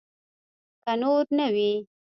که نور نه وي.